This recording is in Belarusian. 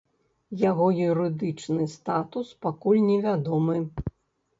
Яго юрыдычны статус пакуль не вядомы.